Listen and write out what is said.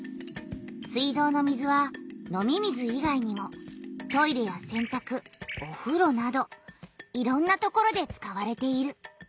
水道の水は飲み水いがいにもトイレやせんたくおふろなどいろんなところで使われている。